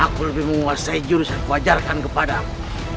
aku lebih memuasai jurus yang kau ajarkan kepada aku